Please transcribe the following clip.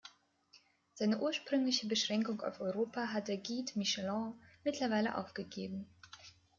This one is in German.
Seine ursprüngliche Beschränkung auf Europa hat der Guide Michelin mittlerweile aufgegeben.